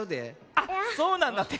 あっそうなんだって。